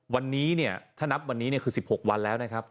วันนี้เนี่ยถ้านับวันนี้คือ๑๖วันแล้วนะครับ